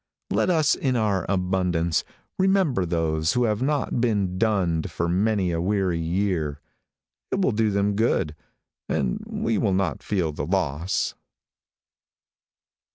Let us, in our abundance, remember those who have not been dunned for many a weary year. It will do them good, and we will not feel the loss.